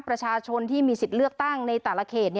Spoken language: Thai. ประชาชนที่มีสิทธิ์เลือกตั้งในแต่ละเขต